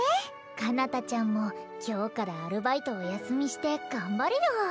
彼方ちゃんも今日からアルバイトお休みして頑張るよ。